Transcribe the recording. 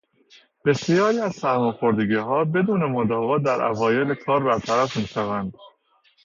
بسیاری از سرماخوردگیها بدون مداوا در اوایل کار برطرف میشوند.